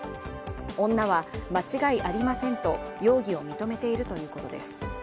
女は間違いありませんと容疑を認めているということです。